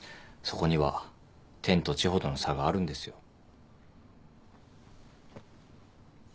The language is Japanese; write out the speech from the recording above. そこには天と地ほどの差があるんですよ。